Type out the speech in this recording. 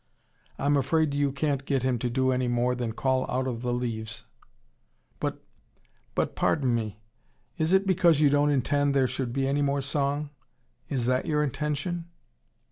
"I'm afraid you can't get him to do any more than call out of the leaves." "But but pardon me is it because you don't intend there should be any more song? Is that your intention?"